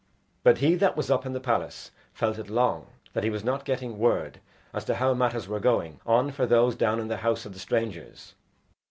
But he that was up in the palace felt it long that he was not getting word as to how matters were going on for those down in the house of the strangers.